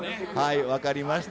分かりました。